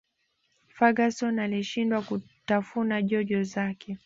ferguson alishindwa kutafuna jojo zake